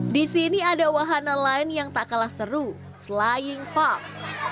di sini ada wahana lain yang tak kalah seru flying fox